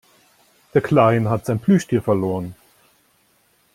Der Kleine hat sein Plüschtier verloren.